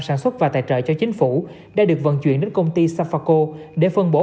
sản xuất và tài trợ cho chính phủ đã được vận chuyển đến công ty safaco để phân bổ